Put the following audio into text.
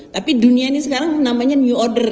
tapi dunia ini sekarang namanya new order